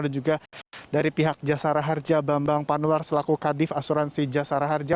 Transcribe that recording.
dan juga dari pihak jasara harja bambang panwar selaku kadif asuransi jasara harja